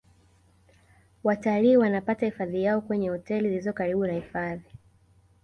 watalii wanapata hifadhi yao kwenye hoteli zilizo karibu na hifadhi